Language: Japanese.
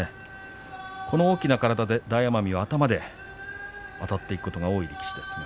この大きな体で、大奄美は頭からあたっていくことが多い力士です。